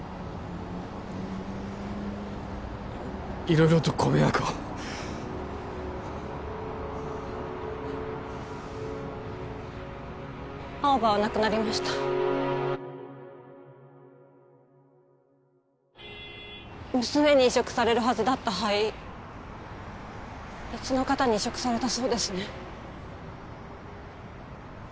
色々とご迷惑を青葉は亡くなりました娘に移植されるはずだった肺別の方に移植されたそうですね